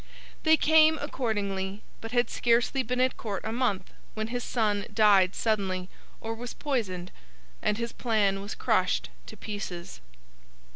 They came, accordingly, but had scarcely been at Court a month when his son died suddenly—or was poisoned—and his plan was crushed to pieces.